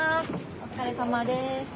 お疲れさまです。